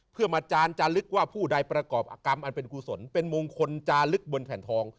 เพื่อมาจานจาลึกว่าผู้ใดประกอบอากรรมอันเป็นกุศลเป็นมงคลจาลึกบนแผ่นทอง